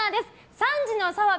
３児の澤部！